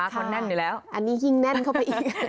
เขาแน่นอยู่แล้วอันนี้ยิ่งแน่นเข้าไปอีก